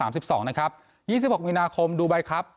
๒๖มีนาคมดูไบครับ